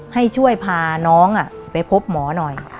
ให้ช่วยพาน้องไปพบหมอหน่อย